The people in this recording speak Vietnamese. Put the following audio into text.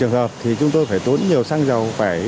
trường hợp thì chúng tôi phải tốn nhiều xăng dầu phải